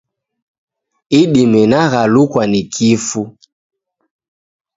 Idime naghalukwa ni kifu.